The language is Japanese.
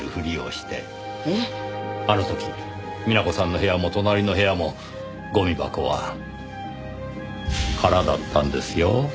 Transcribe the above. あの時美奈子さんの部屋も隣の部屋もごみ箱は空だったんですよ。